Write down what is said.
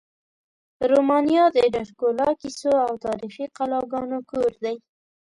رومانیا د ډرکولا کیسو او تاریخي قلاګانو کور دی.